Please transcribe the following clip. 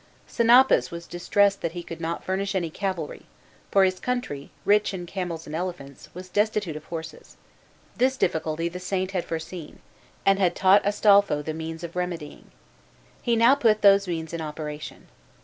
Senapus was distressed that he could not furnish any cavalry, for his country, rich in camels and elephants, was destitute of horses. This difficulty the saint had foreseen, and had taught Astolpho the means of remedying. He now put those means in operation.